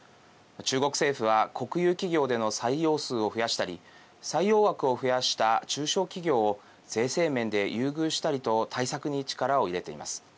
中国政府は、国有企業での採用数を増やしたり採用枠を増やした中小企業を税制面で優遇したりと対策に力を入れています。